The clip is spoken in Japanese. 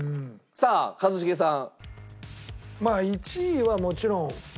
さあ一茂さん。